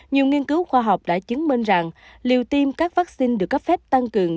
nhiều nghiên cứu khoa học đã chứng minh rằng liều tiêm các vaccine được cấp phép tăng cường